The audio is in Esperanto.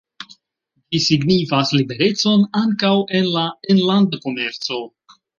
Ĝi signifas liberecon ankaŭ en la enlanda komerco.